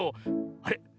あれ？